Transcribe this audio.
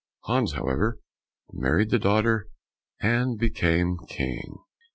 Hans, however, married the daughter, and became King.